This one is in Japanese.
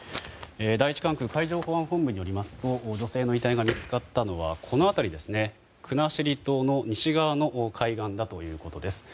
第１管区海上保安本部によりますと女性の遺体が見つかったのは国後島の西側の海岸だということです。